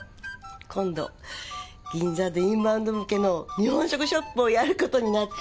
今度銀座でインバウンド向けの日本食ショップをやることになって。